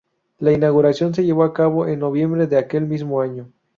La inauguración se llevó a cabo en noviembre de aquel mismo año.